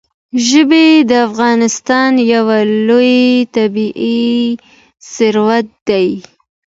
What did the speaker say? ژبې د افغانستان یو لوی طبعي ثروت دی.